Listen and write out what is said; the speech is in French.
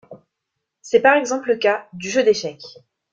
C'est par exemple le cas du jeu d'échecs.